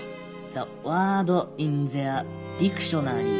「ザワードインゼアディクショナリー」。